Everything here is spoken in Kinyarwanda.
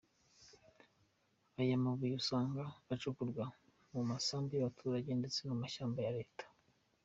Aya mabuye usanga acukurwa mu masambu y’abaturage ndetse no mu mashyamba ya Leta.